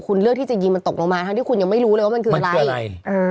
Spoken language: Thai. คุณเลือกที่จะยิงมันตกลงมาทั้งที่คุณยังไม่รู้เลยว่ามันคืออะไรใช่อ่า